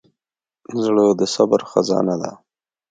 زړه د صبر خزانه ده.